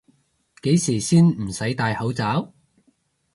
幾時先唔使戴口罩？